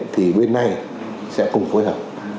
thì bên này sẽ cùng phối hợp